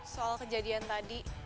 soal kejadian tadi